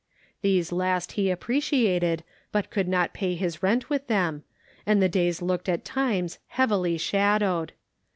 These last he appreciated, but could not pay his rent with them, and the days looked at times heavily shadowed.